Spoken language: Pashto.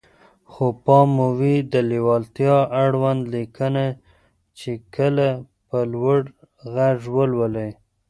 خو پام مو وي د ليوالتيا اړوند ليکنه چې کله په لوړ غږ لولئ.